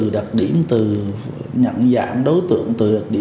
đăng hành nó đổ quần đi